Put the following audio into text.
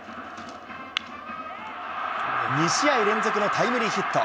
２試合連続のタイムリーヒット。